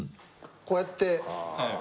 こうやって。